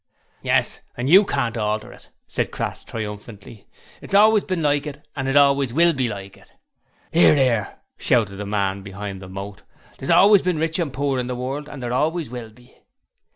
'Yes! and you can't alter it,' said Crass, triumphantly. 'It's always been like it, and it always will be like it.' ''Ear! 'Ear!' shouted the man behind the moat. 'There's always been rich and poor in the world, and there always will be.'